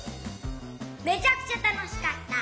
めちゃくちゃたのしかった！